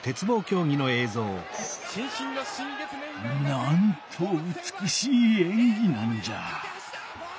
なんとうつくしいえんぎなんじゃ。